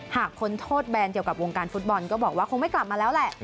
พ้นโทษแบนเกี่ยวกับวงการฟุตบอลก็บอกว่าคงไม่กลับมาแล้วแหละ